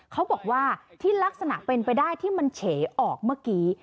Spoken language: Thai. เขาบอกว่าที่ลักษณะเป็นไปได้ที่มันเฉออกเมื่อกี้